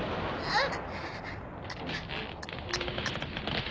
あっ。